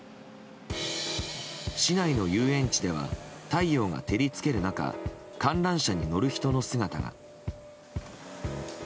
市内の遊園地では太陽が照り付ける中観覧車に乗る人の姿が。